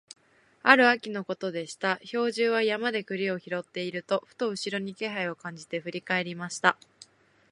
ある秋のことでした、兵十は山で栗を拾っていると、ふと後ろに気配を感じて振り返りました。